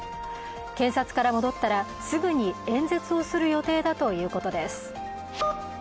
検察から戻ったらすぐに演説をする予定だということです。